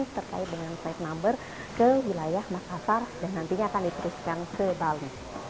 terkait dengan flight number ke wilayah makassar dan nantinya akan diteruskan ke bali